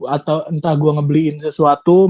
atau entah gue ngebeliin sesuatu